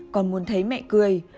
con muốn thấy mẹ cười